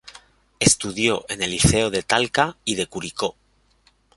Estudió en el Liceo de Talca y de Curicó.